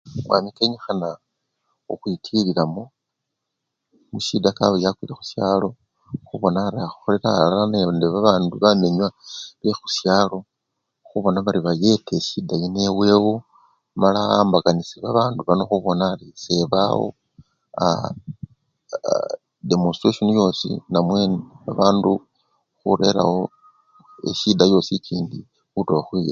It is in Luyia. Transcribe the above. Omwami kenyikhana khukhwitililamo musyida kaba bari yakwile musyalo khubona ari akholela alala nende bandu bamenywa be khusyalo khubona bari bayeta esyida yino ewewo mala awambakanisye babandu bano khubona ari sebawo aa! eoe! demonistrasyoni yosi namwe bandu khurerawo esyida yosi ekindi taa.